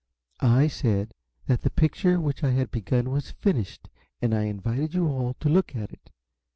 "I said that the picture which I had begun was finished, and I invited you all to look at it.